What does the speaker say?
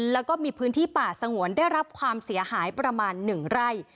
แล้วก็มีพื้นที่ป่าสงวนได้รับความเสียหายประมาณ๑ไร่